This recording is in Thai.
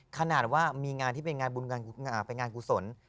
ขนาดว่ามีงานที่เป็นงานบุญเป็นงานกุศล